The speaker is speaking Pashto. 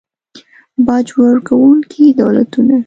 باج ورکونکي دولتونه